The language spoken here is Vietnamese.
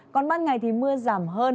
còn ban ngày thì mưa giảm hơn